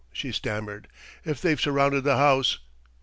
she stammered. "If they've surrounded the house